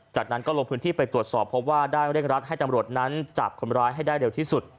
จากนั้นก็ลงพื้นที่ไปตรวจสอบเพราะว่าได้เร่งรัดให้ตำรวจนั้นจับคนร้ายให้ได้เร็วที่สุด